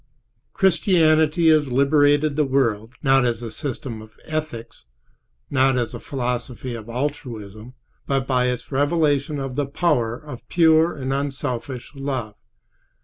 Christianity has liberated the world, not as a system of ethics, not as a philosophy of altruism, but by its revelation of the power of pure and unselfish love.